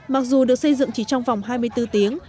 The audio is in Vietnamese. mặc dù được xây dựng chỉ trong vòng hai mươi bốn tiếng